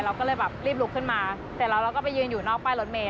เราก็เลยแบบรีบลุกขึ้นมาเสร็จแล้วเราก็ไปยืนอยู่นอกป้ายรถเมย